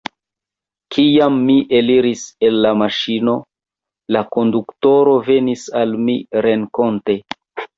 Kiam mi eliris el la maŝino, la konduktoro venis al mi renkonte.